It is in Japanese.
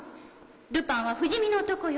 ルパンは不死身の男よ。